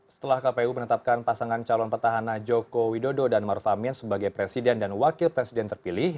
setelah kpu menetapkan pasangan calon petahana joko widodo dan maruf amin sebagai presiden dan wakil presiden terpilih